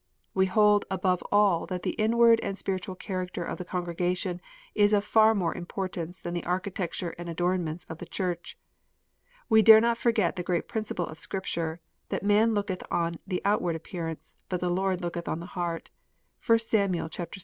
We hold above all that the inward and spiritual character of the congregation is of far more importance than the architecture and adornments of the church. We dare not forget the great principle of Scripture, that "man looketh on the outward appearance, but the Lord looketh on the heart." (1 Sam. xvi.